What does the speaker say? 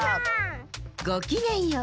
ごきげんよう。